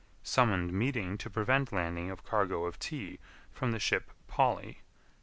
Summoned meeting to prevent landing of cargo of tea from the ship Polly Dec.